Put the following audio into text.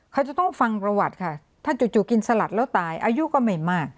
เขาจะต้องฟังประวัติค่ะถ้าจู่กินสลัดแล้วตายอายุก็ไม่มาก